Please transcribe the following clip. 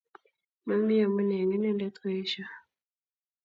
Mami amune eng inendet koesia